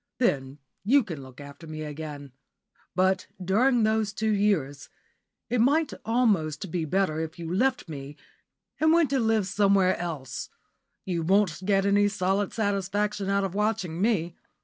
Then you can look after me again. But, during those two years, it might almost be better if you left me and went to live somewhere else. You won't get any solid satisfaction out of watching me.